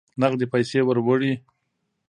نغدي پیسې وروړي.